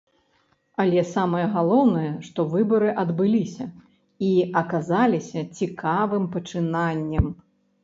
Але самае галоўнае, што выбары адбыліся, і аказаліся цікавым пачынаннем.